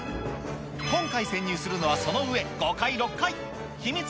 今回潜入するのはその上、５階、６階。